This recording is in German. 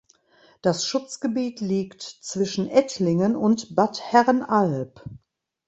Das Schutzgebiet liegt zwischen Ettlingen und Bad Herrenalb.